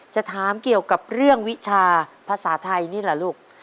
จะถามเกี่ยวกับเรื่องวิชาภาษาไทยนี่เหรอลูก